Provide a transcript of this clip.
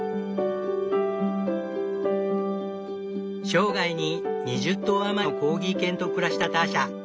生涯に２０頭余りのコーギー犬と暮らしたターシャ。